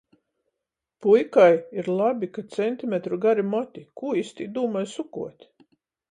Puikai ir labi ka centimetru gari moti. Kū jis tī dūmoj sukuot?